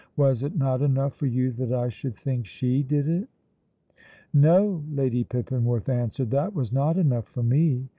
"Was it not enough for you that I should think she did it?" "No," Lady Pippinworth answered, "that was not enough for me.